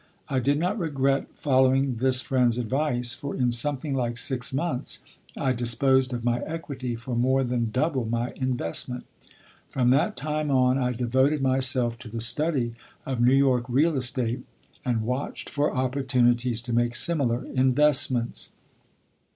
I did not regret following this friend's advice, for in something like six months I disposed of my equity for more than double my investment. From that time on I devoted myself to the study of New York real estate and watched for opportunities to make similar investments.